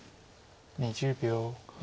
２０秒。